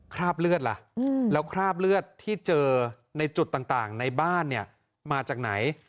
คราบเลือดล่ะแล้วคราบเลือดที่เจอในจุดต่างในบ้านเนี่ยมาจากไหน